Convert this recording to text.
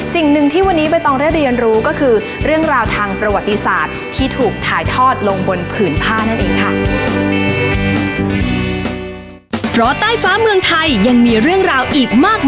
สิ่งหนึ่งที่วันนี้ใบตองได้เรียนรู้ก็คือเรื่องราวทางประวัติศาสตร์ที่ถูกถ่ายทอดลงบนผืนผ้านั่นเองค่ะ